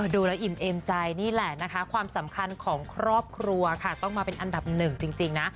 ดูแล้วอิ่มเอมใจนี่แหละนะคะความสำคัญของครอบครัวค่ะต้องมาเป็นอันดับหนึ่งจริงนะ